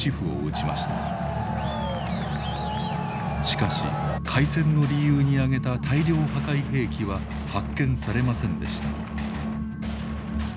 しかし開戦の理由に挙げた大量破壊兵器は発見されませんでした。